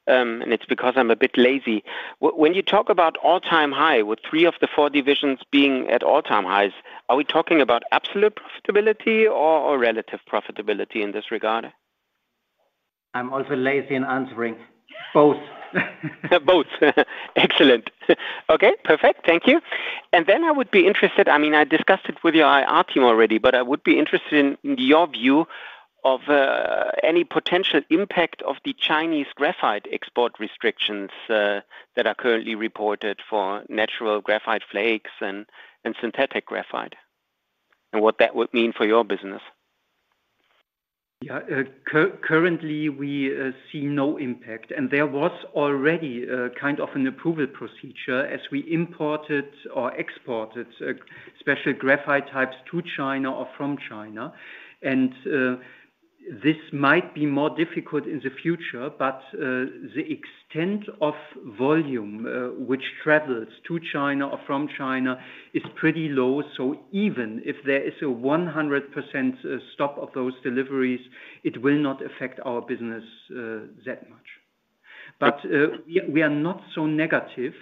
and it's because I'm a bit lazy. When you talk about all-time high, with 3 of the 4 divisions being at all-time highs, are we talking about absolute profitability or, or relative profitability in this regard? I'm also lazy in answering. Both. Both. Excellent. Okay, perfect. Thank you. And then I would be interested I mean, I discussed it with your IR team already, but I would be interested in your view of any potential impact of the Chinese graphite export restrictions that are currently reported for natural graphite flakes and synthetic graphite, and what that would mean for your business. Yeah, currently, we see no impact, and there was already a kind of an approval procedure as we imported or exported special graphite types to China or from China. And this might be more difficult in the future, but the extent of volume which travels to China or from China is pretty low. So even if there is a 100% stop of those deliveries, it will not affect our business that much. But we are not so negative.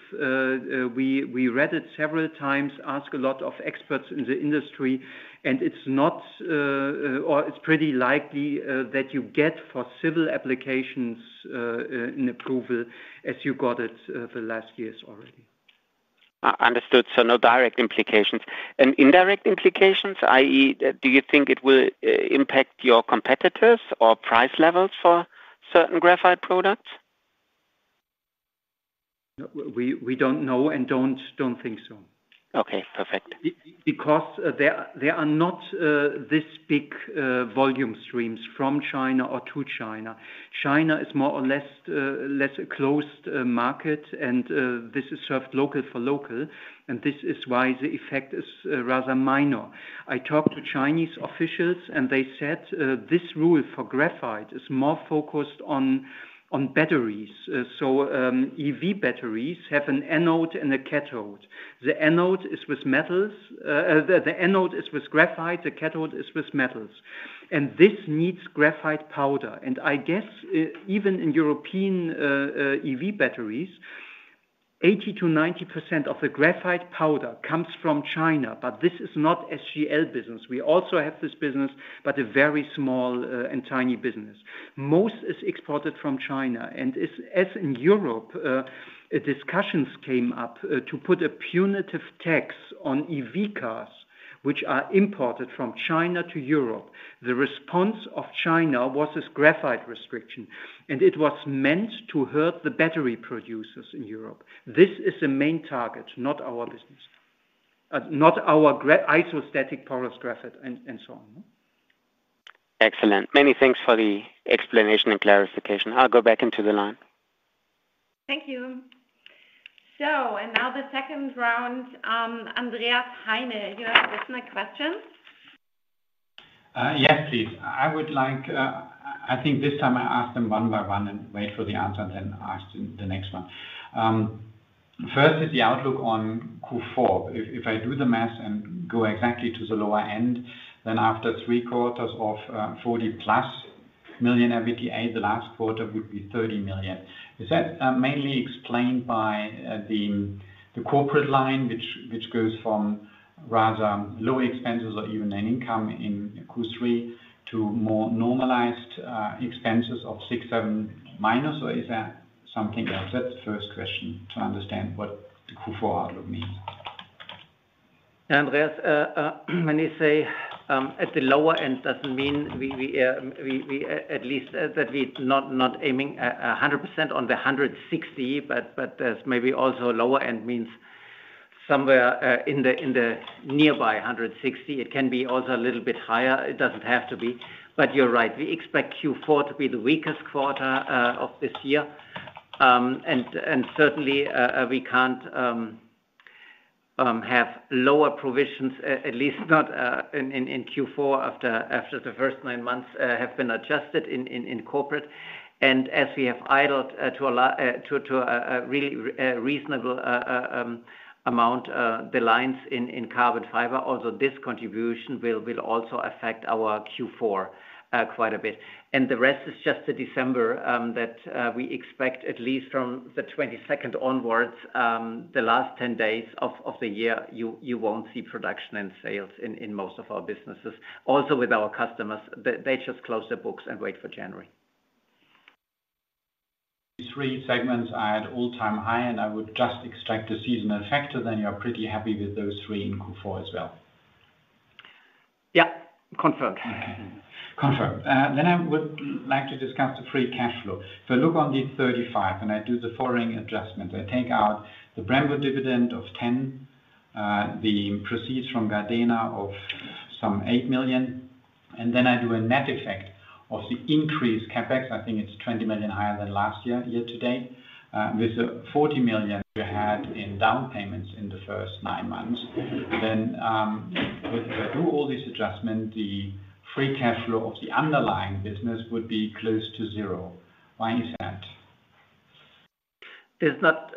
We read it several times, asked a lot of experts in the industry, and it's pretty likely that you get for civil applications an approval as you got it the last years already. Understood. No direct implications. Indirect implications, i.e., do you think it will impact your competitors or price levels for certain graphite products? We don't know and don't think so. Okay, perfect. Because there are not this big volume streams from China or to China. China is more or less less a closed market, and this is served local for local, and this is why the effect is rather minor. I talked to Chinese officials, and they said this rule for graphite is more focused on batteries. So EV batteries have an anode and a cathode. The anode is with metals, the anode is with graphite, the cathode is with metals, and this needs graphite powder. And I guess even in European EV batteries, 80%-90% of the graphite powder comes from China, but this is not SGL business. We also have this business, but a very small and tiny business. Most is exported from China, and as in Europe, discussions came up to put a punitive tax on EV cars, which are imported from China to Europe, the response of China was this graphite restriction, and it was meant to hurt the battery producers in Europe. This is the main target, not our business, not our isostatic porous graphite and so on. Excellent. Many thanks for the explanation and clarification. I'll go back into the line. Thank you. So and now the second round, Andreas Heine, you have listener questions? Yes, please. I would like, I think this time I ask them one by one and wait for the answer, and then ask the next one. First is the outlook on Q4. If I do the math and go exactly to the lower end, then after three quarters of 40+ million EUR EBITDA, the last quarter would be 30 million EUR. Is that mainly explained by the corporate line, which goes from rather low expenses or even an income in Q3 to more normalized expenses of 6-7 minus, or is that something else? That's the first question to understand what the Q4 outlook means. Andreas, when you say at the lower end, doesn't mean we at least that we're not aiming at 100% on the 160, but there's maybe also a lower end means somewhere in the nearby 160. It can be also a little bit higher. It doesn't have to be, but you're right. We expect Q4 to be the weakest quarter of this year. And certainly we can't have lower provisions at least not in Q4 after the first nine months have been adjusted in corporate. And as we have idled to a la-- to a really Amount, the lines in carbon fiber, although this contribution will also affect our Q4 quite a bit. And the rest is just the December that we expect at least from the twenty-second onwards, the last 10 days of the year, you won't see production and sales in most of our businesses. Also, with our customers, they just close their books and wait for January. Three segments are at all-time high, and I would just extract the seasonal factor, then you're pretty happy with those three in Q4 as well? Yeah, confirmed. Okay. Confirmed. Then I would like to discuss the free cash flow. If I look on the 35, and I do the following adjustment, I take out the Brembo dividend of 10 million, the proceeds from Gardena of some 8 million, and then I do a net effect of the increased CapEx. I think it's 20 million higher than last year, year to date. With the 40 million you had in down payments in the first nine months, then, if I do all this adjustment, the free cash flow of the underlying business would be close to zero. Why is that? It's not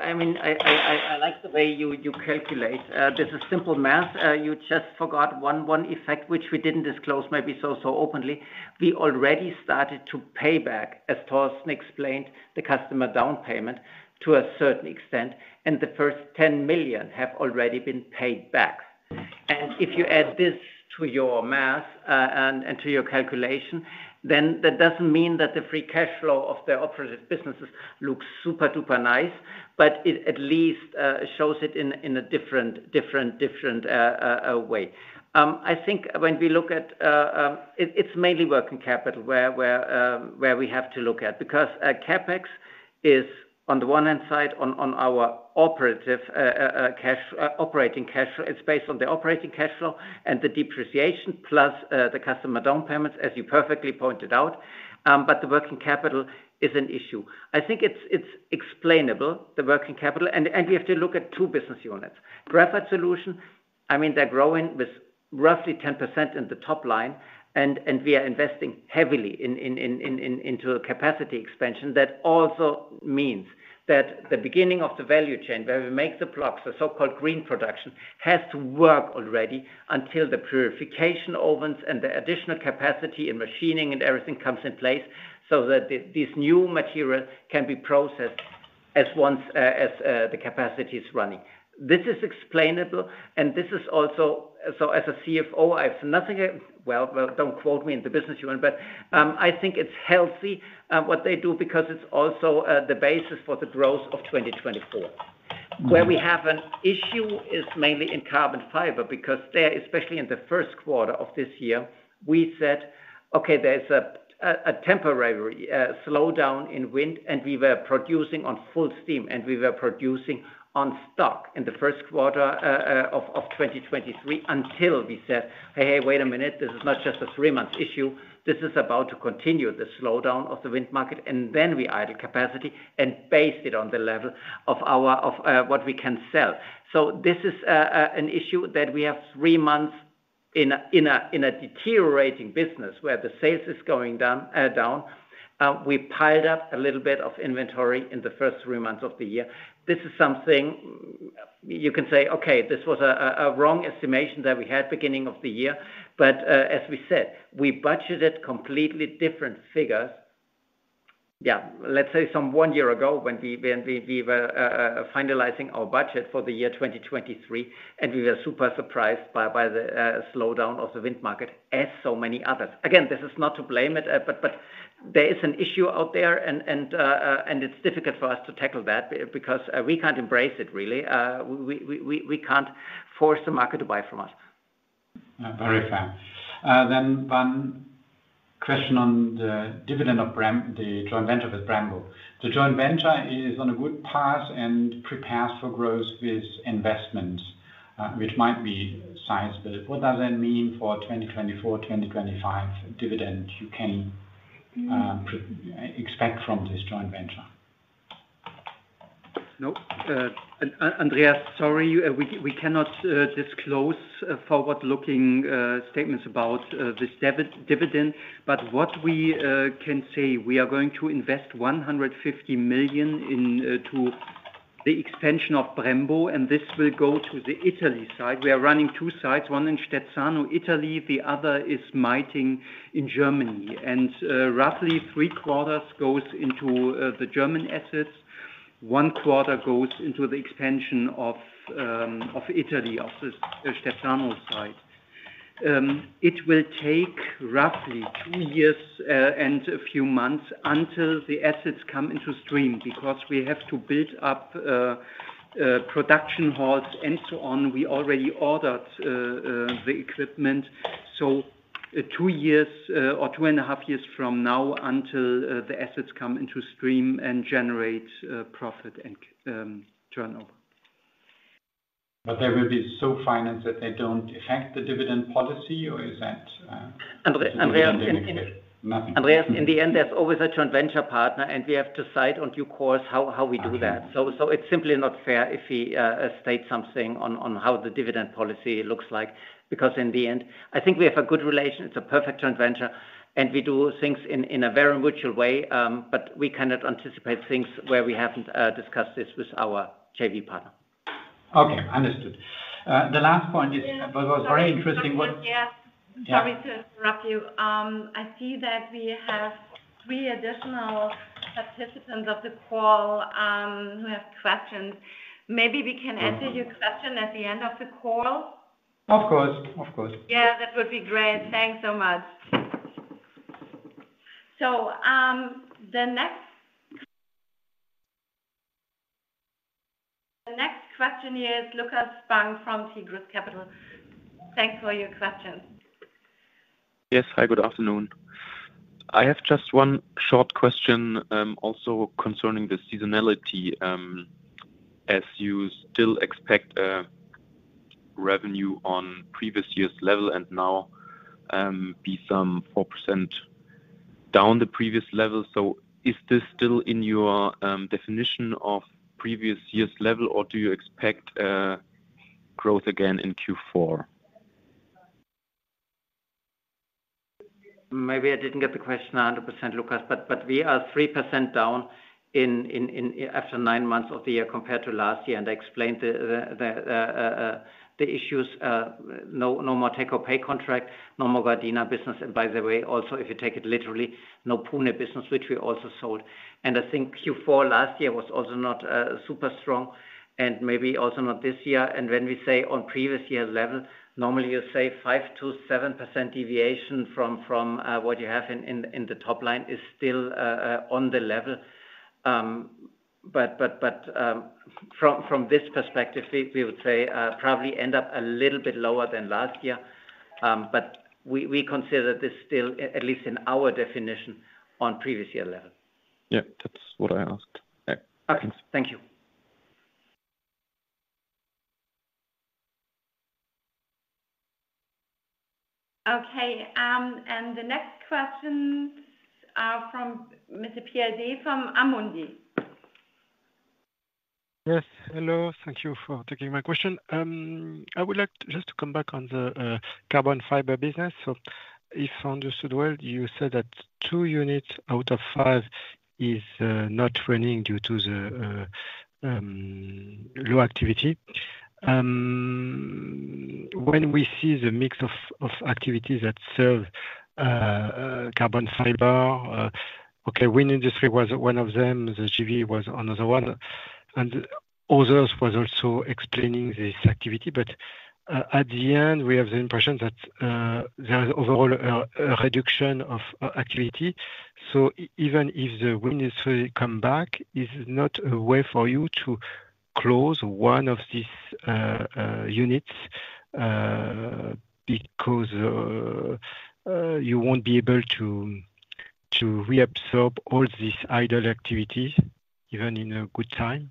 I mean, I like the way you calculate. This is simple math. You just forgot one effect, which we didn't disclose, maybe so openly. We already started to pay back, as Torsten explained, the customer down payment to a certain extent, and the first 10 million have already been paid back. And if you add this to your math, and to your calculation, then that doesn't mean that the free cash flow of the operative businesses looks super-duper nice, but it at least shows it in a different way. I think when we look at, it's mainly working capital where we have to look at, because CapEx is, on the one hand side, on our operative cash operating cash flow. It's based on the operating cash flow and the depreciation, plus the customer down payments, as you perfectly pointed out. But the working capital is an issue. I think it's explainable, the working capital, and we have to look at two business units. Graphite Solutions, I mean, they're growing with roughly 10% in the top line, and we are investing heavily into a capacity expansion. That also means that the beginning of the value chain, where we make the blocks, the so-called green production, has to work already until the purification ovens and the additional capacity and machining and everything comes in place, so that these new materials can be processed at once as the capacity is running. This is explainable, and this is also. So as a CFO, I have nothing against. Well, well, don't quote me in the business unit, but I think it's healthy, what they do, because it's also the basis for the growth of 2024. Where we have an issue is mainly in carbon fiber, because there, especially in the first quarter of this year, we said, "Okay, there's a temporary slowdown in wind," and we were producing on full steam, and we were producing on stock in the first quarter of 2023, until we said, "Hey, wait a minute, this is not just a three-month issue. This is about to continue the slowdown of the wind market." And then we idle capacity and based it on the level of our of what we can sell. So this is an issue that we have three months in a deteriorating business, where the sales is going down, down. We piled up a little bit of inventory in the first three months of the year. This is something you can say, "Okay, this was a wrong estimation that we had beginning of the year," but as we said, we budgeted completely different figures. Yeah, let's say some one year ago, when we were finalizing our budget for the year 2023, and we were super surprised by the slowdown of the wind market, as so many others. Again, this is not to blame it, but there is an issue out there, and it's difficult for us to tackle that because we can't embrace it, really. We can't force the market to buy from us. Very fair. Then one question on the dividend of Brembo, the joint venture with Brembo. The joint venture is on a good path and prepares for growth with investment, which might be sized. But what does that mean for 2024, 2025 dividend you can expect from this joint venture? No, Andreas, sorry, we cannot disclose forward-looking statements about this dividend. But what we can say, we are going to invest 150 million into the expansion of Brembo, and this will go to the Italy side. We are running two sides, one in Stezzano, Italy, the other is Meitingen in Germany. Roughly three-quarters goes into the German assets. One-quarter goes into the expansion of Italy, of the Stezzano side. It will take roughly two years and a few months until the assets come into stream, because we have to build up production halls and so on. We already ordered the equipment. 2 years, or 2.5 years from now until the assets come into stream and generate profit and turnover. But they will be so financed that they don't affect the dividend policy, or is that? Andreas, Andreas- Nothing. Andreas, in the end, there's always a joint venture partner, and we have to decide in due course how we do that. Uh-huh. It's simply not fair if we state something on how the dividend policy looks like, because in the end, I think we have a good relation. It's a perfect joint venture, and we do things in a very mutual way. But we cannot anticipate things where we haven't discussed this with our JV partner. Okay, understood. The last point is, but was very interesting what- Yeah, sorry to interrupt you. I see that we have three additional participants of the call, who have questions. Maybe we can answer your question at the end of the call? Of course. Of course. Yeah, that would be great. Thanks so much. So, the next question is Lukas Spang from Tigris Capital. Thanks for your question. Yes. Hi, good afternoon. I have just one short question, also concerning the seasonality. As you still expect, revenue on previous year's level and now be some 4% down the previous level. So is this still in your definition of previous year's level, or do you expect growth again in Q4? Maybe I didn't get the question 100%, Lucas, but we are 3% down after nine months of the year compared to last year. And I explained the issues, no more take-or-pay contract, no more Gardena business. And by the way, also, if you take it literally, no Pune business, which we also sold. And I think Q4 last year was also not super strong and maybe also not this year. And when we say on previous year's level, normally you say 5%-7% deviation from what you have in the top line is still on the level. But from this perspective, we would say probably end up a little bit lower than last year. But we consider this still, at least in our definition, on previous year level. Yeah, that's what I asked. Okay. Thank you. Okay, and the next questions are from Mr. Pierre D from Amundi. Yes. Hello, thank you for taking my question. I would like to just to come back on the carbon fiber business. So if understood well, you said that 2 units out of 5 is not running due to the low activity. When we see the mix of activities that serve carbon fiber, okay, wind industry was one of them, the GV was another one, and others was also explaining this activity. But at the end, we have the impression that there is overall a reduction of activity. So even if the wind industry come back, is it not a way for you to close one of these units because you won't be able to reabsorb all these idle activities, even in a good time?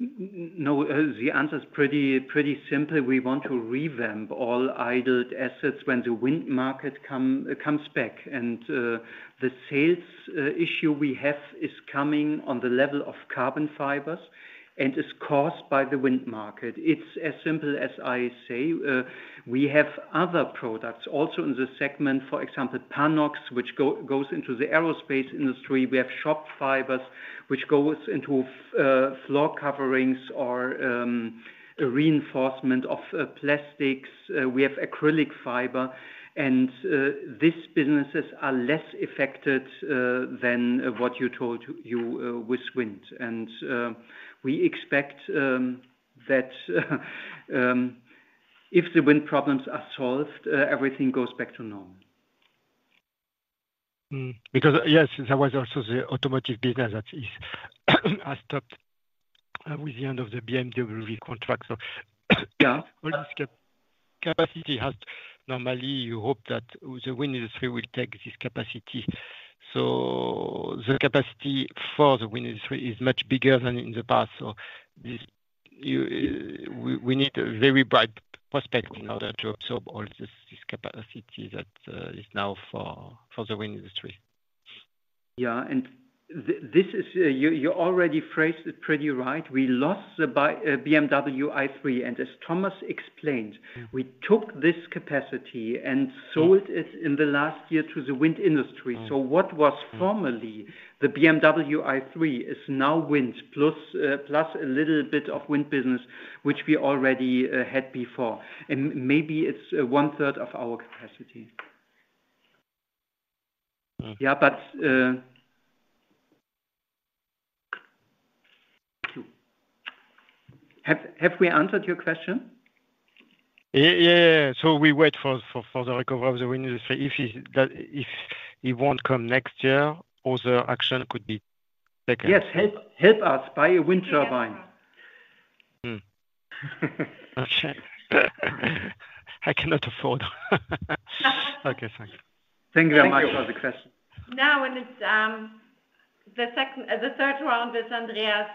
No, the answer is pretty simple. We want to revamp all idled assets when the wind market comes back, and the sales issue we have is coming on the level of carbon fibers and is caused by the wind market. It's as simple as I say. We have other products also in this segment, for example, Panox, which goes into the aerospace industry. We have chopped fibers, which goes into floor coverings or reinforcement of plastics. We have acrylic fiber, and these businesses are less affected than what you told you with wind. We expect that if the wind problems are solved, everything goes back to normal. Because, yes, there was also the automotive business that is, has stopped, with the end of the BMW contract, so. Yeah. Well, this capacity has normally, you hope that the wind industry will take this capacity. So the capacity for the wind industry is much bigger than in the past, so this, you we need a very bright prospect in order to absorb all this, this capacity that is now for, for the wind industry. Yeah, and this is, you already phrased it pretty right. We lost the BMW i3, and as Thomas explained, we took this capacity and sold it in the last year to the wind industry. Mm. So what was formerly the BMW i3 is now wind, plus, plus a little bit of wind business, which we already had before, and maybe it's one-third of our capacity. Mm. Yeah, but... Have we answered your question? Yeah, yeah. So we wait for the recovery of the wind industry. If it won't come next year, other action could be taken. Yes, help, help us, buy a wind turbine. Mm. Gotcha. I cannot afford. Okay, thank you. Thank you very much for the question. Now, it's the third round is Andreas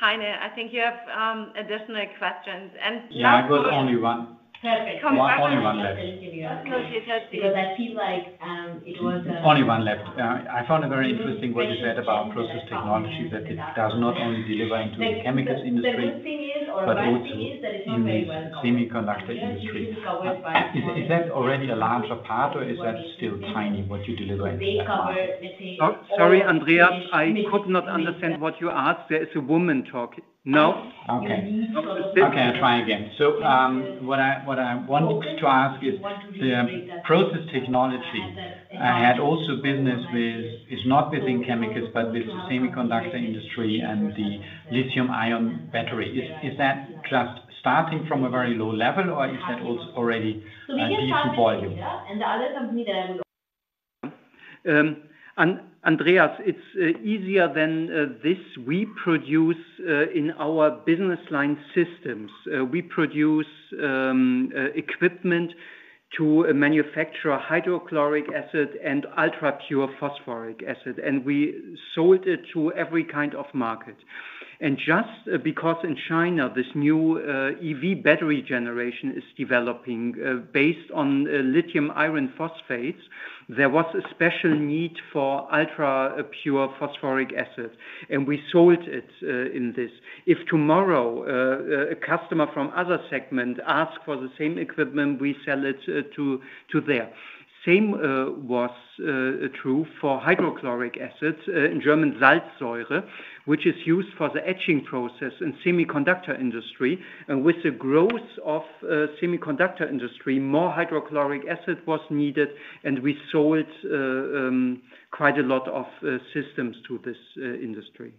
Heine. I think you have additional questions, and- Yeah, I got only one. Perfect. Only one left. Because you just- Because I feel like it was. Only one left. I found it very interesting what you said about process technology, that it does not only deliver into the chemicals industry- ...or my thing is that it's not very well covered. In the semiconductor industry. Uh, Is that already a larger part or is that still tiny, what you deliver in this market? They cover the same- Sorry, Andreas, I could not understand what you asked. There is a woman talking. No? Okay. Okay, I'll try again. So, what I wanted to ask is the process technology I had also business with, is not within chemicals, but with the semiconductor industry and the lithium-ion battery. Is that just starting from a very low level, or is that also already decent volume? We can find it here, and the other company that I would- Andreas, it's easier than this. We produce in our business line systems. We produce equipment to manufacture hydrochloric acid and ultra-pure phosphoric acid, and we sold it to every kind of market. And just because in China, this new EV battery generation is developing based on lithium iron phosphate, there was a special need for ultra-pure phosphoric acid, and we sold it in this. If tomorrow a customer from other segment ask for the same equipment, we sell it to them. Same was true for hydrochloric acids in German, Salzsäure, which is used for the etching process in semiconductor industry. And with the growth of semiconductor industry, more hydrochloric acid was needed, and we sold quite a lot of systems to this industry.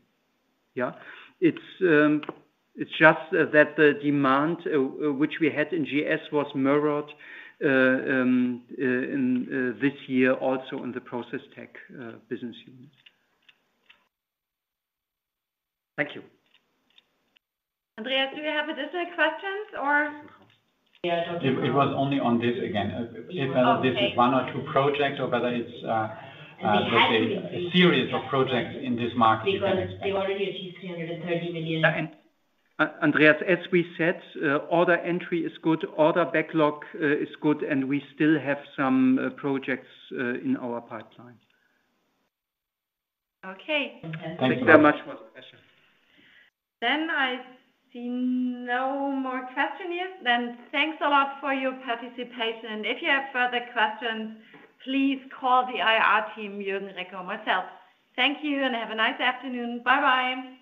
Yeah. It's just that the demand which we had in GS was mirrored in this year also in the process tech business unit. Thank you. Andreas, do you have additional questions, or...? It was only on this again. Okay. If this is one or two projects, or whether it's like a series of projects in this market? Because they already achieved 330 million. Andreas, as we said, order entry is good, order backlog is good, and we still have some projects in our pipeline. Okay. Thank you. Thank you very much for the question. I see no more question here. Thanks a lot for your participation. If you have further questions, please call the IR team, Jurgen Reck or myself. Thank you, and have a nice afternoon. Bye-bye.